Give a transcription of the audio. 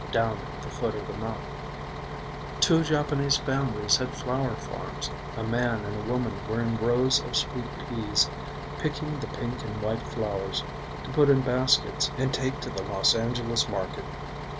Down at the foot of the mountain Two Japanese families had flower farms. A man and woman were in rows of sweet peas Picking the pink and white flowers To put in baskets and take to the Los Angeles market.